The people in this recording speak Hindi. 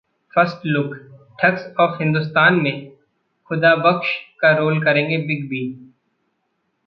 First look: 'thugs of Hindostan' में खुदाबख्श का रोल करेंगे बिग बी